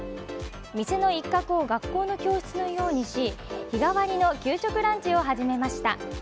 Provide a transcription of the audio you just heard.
店の一角を学校の教室のようにし日替わりの給食ランチを始めました。